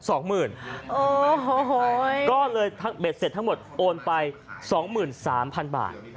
โอ้โหก็เลยเบ็ดเสร็จทั้งหมดโอนไป๒๓๐๐๐บาท